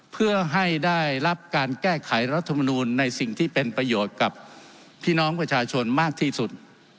เพื่อให้ได้รับการแก้ไขรัฐมนูลในสิ่งที่เป็นประโยชน์กับพี่น้องประชาชนมากที่สุด